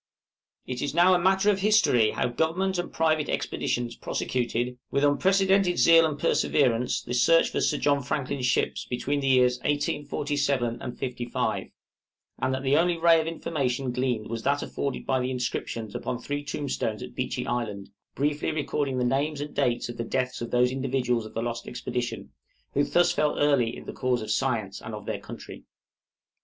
It is now a matter of history how Government and private expeditions prosecuted, with unprecedented zeal and perseverance, the search for Sir John Franklin's ships, between the years 1847 55; and that the only ray of information gleaned was that afforded by the inscriptions upon three tombstones at Beechey Island, briefly recording the names and dates of the deaths of those individuals of the lost expedition, who thus early fell in the cause of science and of their country.